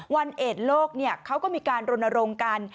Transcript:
วันเอ็ดโลกเขาก็มีการโรนโรงกัน